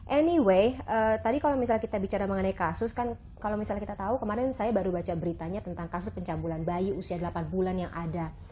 anyway tadi kalau misalnya kita bicara mengenai kasus kan kalau misalnya kita tahu kemarin saya baru baca beritanya tentang kasus pencabulan bayi usia delapan bulan yang ada